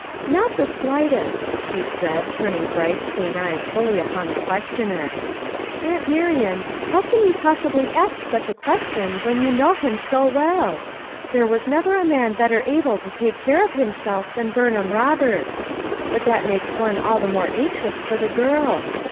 "Not the slightest," she said, turning bright, keen eyes fully upon the questioner. FOUE MOTHEES AT CHAUTAUQUA 277 "Aunt Marian, how can you possibly ask such a question when you know him so well ! There was never a man better able to take care of himself than Burnham Eoberts. But that makes one all the more anxious for the girl.